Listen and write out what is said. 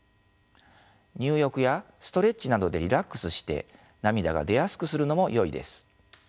入浴やストレッチなどでリラックスして涙が出やすくするのもよいです。